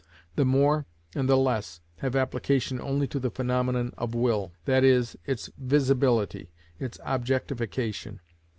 The more and the less have application only to the phenomenon of will, that is, its visibility, its objectification.